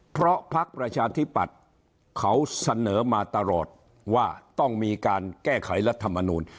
เพราะพักประชาธิปัตย์เขาเสนอมาตลอดว่าต้องมีการแก้ไขรัฐมนูล